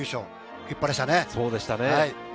立派でしたね。